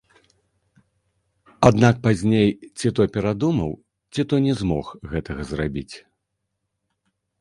Аднак пазней ці то перадумаў, ці то не змог гэтага зрабіць.